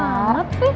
ada apa sih